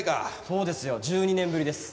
そうですよ１２年ぶりです。